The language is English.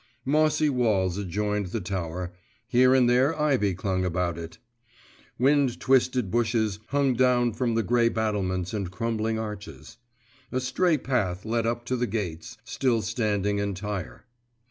Mossy walls adjoined the tower; here and there ivy clung about it; wind twisted bushes hung down from the grey battlements and crumbling arches. A stray path led up to the gates, still standing entire.